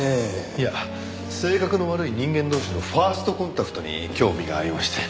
いや性格の悪い人間同士のファーストコンタクトに興味がありまして。